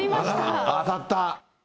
当たった。